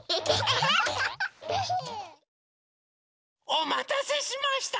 おまたせしました！